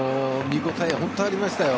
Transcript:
見応え、本当にありましたよ。